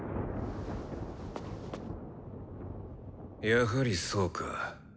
やはりそうか。